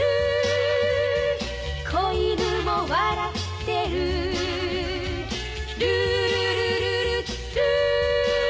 「小犬も笑ってる」「ルールルルルルー」